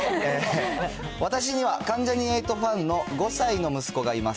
私には関ジャニ∞ファンの５歳の息子がいます。